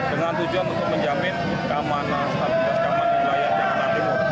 dengan tujuan untuk menjamin keamanan stabilitas keamanan di wilayah jakarta timur